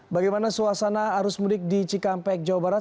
bagaimana suasana arus mudik di cikampek jawa barat